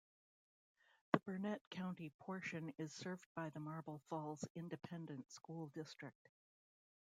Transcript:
The Burnet County portion is served by the Marble Falls Independent School District.